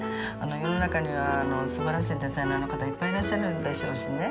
世の中にはすばらしいデザイナーの方いっぱいいらっしゃるんでしょうしね。